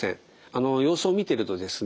あの様子を見てるとですね